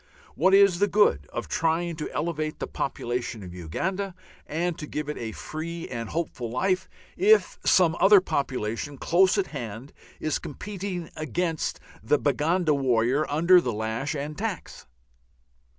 What is the good of trying to elevate the population of Uganda and to give it a free and hopeful life if some other population close at hand is competing against the Baganda worker under lash and tax?